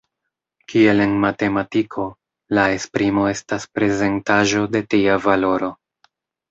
Kiel en matematiko, la esprimo estas prezentaĵo de tia valoro.